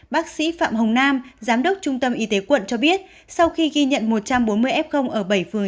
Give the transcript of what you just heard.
bác sĩ phạm hồng nam giám đốc trung tâm y tế quận cho biết sau khi ghi nhận một trăm bốn mươi f ở bảy phường